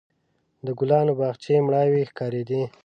د ګلانو باغچې مړاوې ښکارېدې.